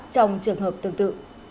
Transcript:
trong trường hợp tương tự